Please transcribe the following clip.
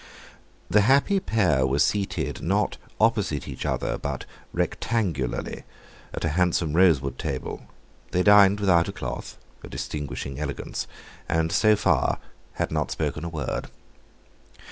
The happy pair were seated, not opposite each other, but rectangularly, at the handsome rosewood table; they dined without a cloth—a distinguishing elegance—and so far had not spoken a word.